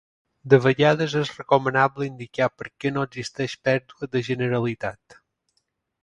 De vegades és recomanable indicar per què no existeix pèrdua de generalitat.